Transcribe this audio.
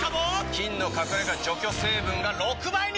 菌の隠れ家除去成分が６倍に！